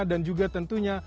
dan juga tentunya